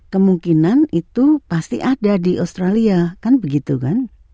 kemungkinan itu pasti ada di australia kan begitu kan